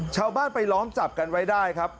ชาวบ้านไปล้อมจับกันไว้ได้ครับ